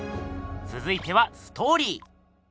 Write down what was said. つづいてはストーリー。